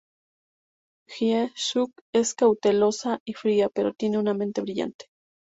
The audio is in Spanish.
Hye Suk es cautelosa y fría, pero tiene una mente brillante.